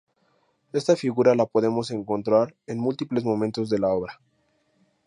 Esta figura la podemos encontrar en múltiples momentos de la obra.